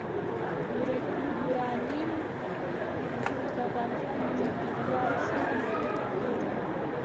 یورانیم د افغانستان د چاپیریال ساتنې لپاره مهم دي.